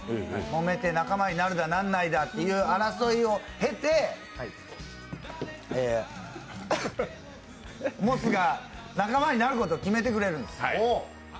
もめて、仲間になるだならないだ争いを経てモスが仲間になることを決めてくれるんです。